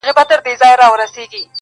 چي بې عزتو را سرتوري کړلې٫